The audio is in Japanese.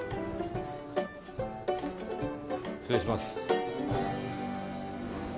失礼します。